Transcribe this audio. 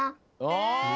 ああ！